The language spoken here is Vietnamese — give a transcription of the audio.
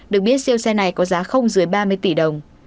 được biết siêu xe này có giá không dưới ba mươi tỷ đồng